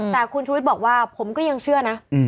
แต่คุณชุวิตบอกว่าผมก็ยังเชื่อนะ